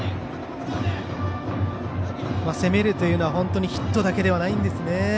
攻めるというのは本当にヒットだけではないんですね。